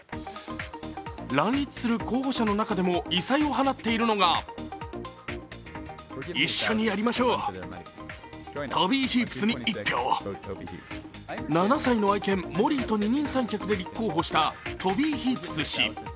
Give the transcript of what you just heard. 乱立する候補者の中でも異彩を放っているのが７歳の愛犬モリーと二人三脚で立候補したトビー・ヒープス氏。